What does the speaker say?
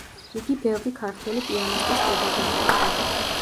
იგი ბევრი ქართველი პიანისტის პედაგოგი იყო.